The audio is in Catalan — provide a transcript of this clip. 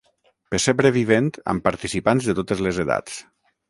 Pessebre Vivent amb participants de totes les edats.